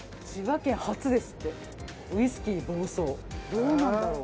どうなんだろう。